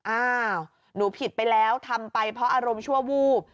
อ้าวหนูผิดไปแล้วทำไปเพราะอารมณ์ชั่ววูบ